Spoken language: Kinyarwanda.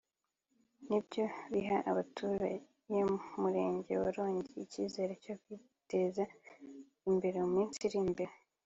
ni byo biha abatuye Umurenge wa Rongi icyizere cyo kwiteza imbere mu minsi iri imbere